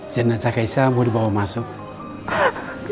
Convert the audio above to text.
jenazah kaisang mau dibawa masuk